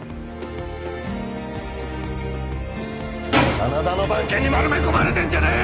真田の番犬に丸め込まれてんじゃねえよ！